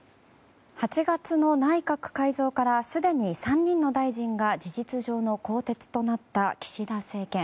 ８月の内閣改造からすでに３人の大臣が事実上の更迭となった岸田政権。